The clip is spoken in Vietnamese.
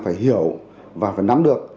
phải hiểu và phải nắm được